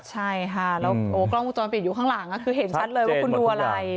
ใช่ค่ะแล้วกล้องวงจรปิดอยู่ข้างหลังคือเห็นชัดเลยว่าคุณดูอะไร